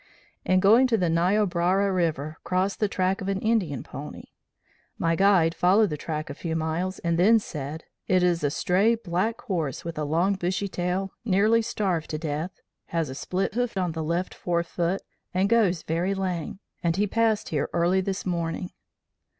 In going to the Niobrara River crossed the track of an Indian pony. My guide followed the track a few miles and then said, 'It is a stray, black horse, with a long, bushy tail, nearly starved to death, has a split hoof of the left fore foot, and goes very lame, and he passed here early this morning.'